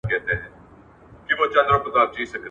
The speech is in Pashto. هغه اقلیمي دلایل د منلو وړ و نه بلل.